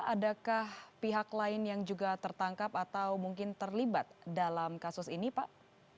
adakah pihak lain yang juga tertangkap atau mungkin terlibat dalam kasus ini pak